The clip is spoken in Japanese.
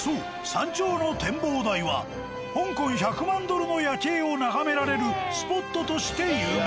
山頂の展望台は香港１００万ドルの夜景を眺められるスポットとして有名。